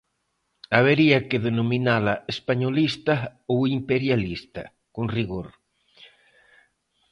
Habería que denominala españolista ou imperialista, con rigor.